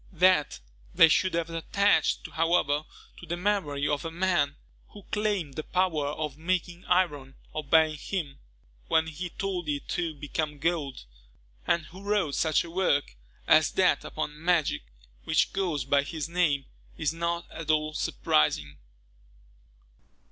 That they should have attached, however, to the memory of a man who claimed the power of making iron obey him when he told it to become gold, and who wrote such a work as that upon magic, which goes by his name, is not at all surprising.